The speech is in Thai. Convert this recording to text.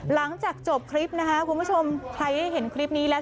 หลังจากจบคลิปนะคะคุณผู้ชมใครได้เห็นคลิปนี้แล้ว